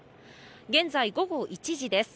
現在午後１時です。